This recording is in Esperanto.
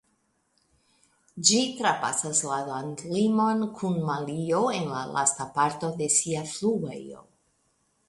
Ĝi trapasas la landimon kun Malio en la lasta parto de sia fluejo.